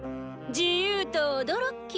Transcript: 「自由と驚き」。